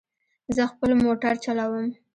زه خپل موټر چلوم